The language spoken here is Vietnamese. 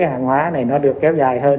hàng hóa này nó được kéo dài hơn